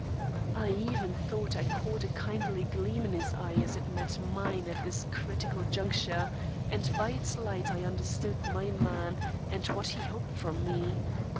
I even thought I caught a kindly gleam in his eye as it met mine at this critical juncture, and by its light I understood my man and what he hoped from me.